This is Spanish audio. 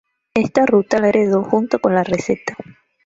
Esta ruta la heredó junto con la receta.